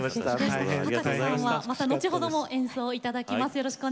葉加瀬さんはまた後ほども演奏をいただきます。